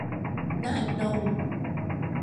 นานนม